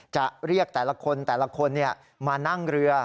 จะเรียกแต่ละคนแต่ละคนมานั่งเรือ